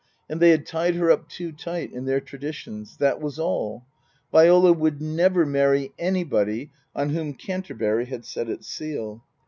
And they had tied her up too tight in their traditions ; that was all. Viola would never marry anybody on whom Canterbury had set its seal.